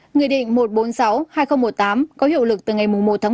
nghị định một trăm bốn mươi sáu hai nghìn một mươi tám có hiệu lực từ ngày một tháng một mươi